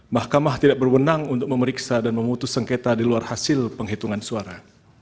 mahkamah tidak berwenang untuk memeriksa dan memutus sengketa di luar hasil penghitungan suara